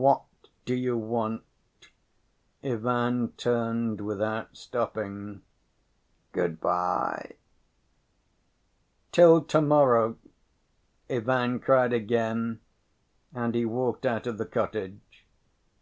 "What do you want?" Ivan turned without stopping. "Good‐by!" "Till to‐morrow!" Ivan cried again, and he walked out of the cottage.